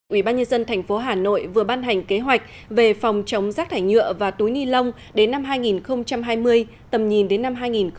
ubnd tp hà nội vừa ban hành kế hoạch về phòng chống rác thải nhựa và túi ni lông đến năm hai nghìn hai mươi tầm nhìn đến năm hai nghìn ba mươi